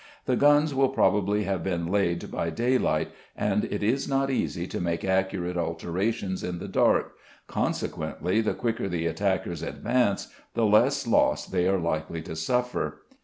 The guns will probably have been laid by daylight, and it is not easy to make accurate alterations in the dark, consequently the quicker the attackers advance the less loss they are likely to suffer.